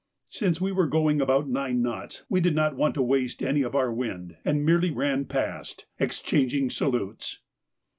Since we were going about nine knots we did not want to waste any of our wind, and merely ran past, exchanging salutes.